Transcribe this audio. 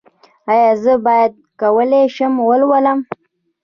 ایا زه به وکولی شم ولولم؟